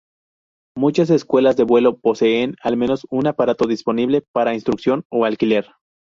Muchas escuelas de vuelo poseen al menos un aparato disponible para instrucción o alquiler.